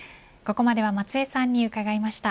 ここまでは松江さんに伺いました。